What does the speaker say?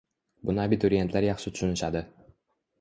Buni abiturientlar yaxshi tushunishadi